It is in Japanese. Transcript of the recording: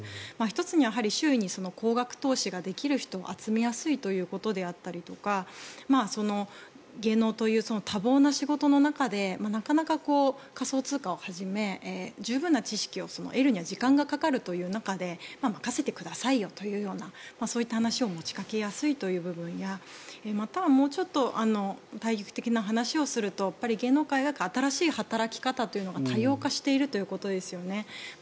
１つにはやはり周囲に高額投資ができる人を集めやすいということであったりとか芸能という多忙な仕事の中でなかなか仮想通貨をはじめ十分な知識を得るには時間がかかるという中で任せてくださいよというそういった話を持ちかけやすいという部分やまたはもうちょっと大局的な話をすると芸能界は新しい働き方というのが多様化しているということですよね。